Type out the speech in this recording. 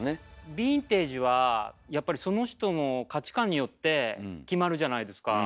ヴィンテージはやっぱりその人の価値観によって決まるじゃないですか。